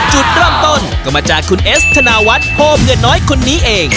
จุดเริ่มต้นก็มาจากคุณเอสธนาวัฒน์โฮมเงินน้อยคนนี้เอง